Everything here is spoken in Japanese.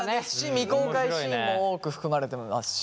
未公開シーンも多く含まれてますし。